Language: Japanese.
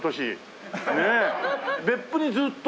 別府にずーっと？